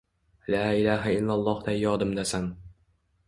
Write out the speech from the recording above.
La ilaha illallohday yodimdasan